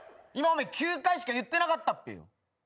今お前９回しか言ってなかったっぺよ。